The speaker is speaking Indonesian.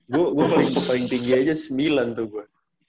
gua paling tinggi aja sembilan tuh gua